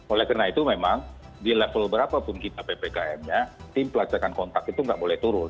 oleh karena itu memang di level berapapun kita ppkm nya tim pelacakan kontak itu nggak boleh turun